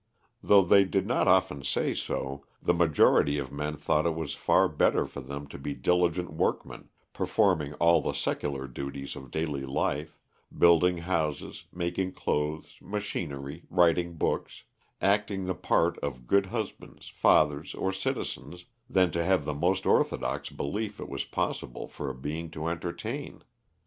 Though they did not often say so, the majority of men thought it was far better for them to be diligent workmen, performing all the secular duties of daily life building houses, making clothes, machinery, writing books; acting the part of good husbands, fathers, or citizens than to have the most orthodox belief it was possible for a being to entertain.